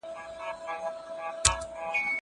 زه مخکي سفر کړی و؟!